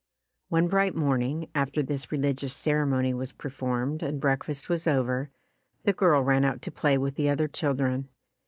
One bright morning, after this religious cere mony was performed and breakfast was over, the girl ran out to play with the other children.